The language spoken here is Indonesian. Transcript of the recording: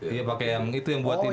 iya pakai yang itu yang buat ini